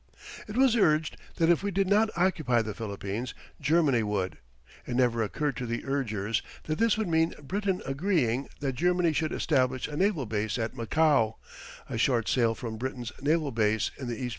It was urged that if we did not occupy the Philippines, Germany would. It never occurred to the urgers that this would mean Britain agreeing that Germany should establish a naval base at Macao, a short sail from Britain's naval base in the East.